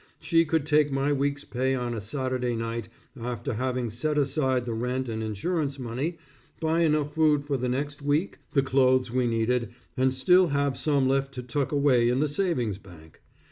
She could take my week's pay on a Saturday night, after having set aside the rent and insurance money, buy enough food for the next week, the clothes we needed, and still have some left to tuck away in the savings bank.